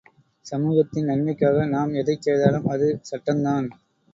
சமூகத்தின் நன்மைக்காக நாம் எதைச் செய்தாலும் அது சட்டந்தான்.